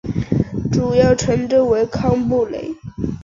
主要城镇为康布雷。